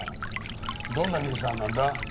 どんな兄さんなんだ？